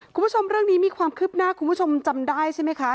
คุณผู้ชมเรื่องนี้มีความคืบหน้าคุณผู้ชมจำได้ใช่ไหมคะ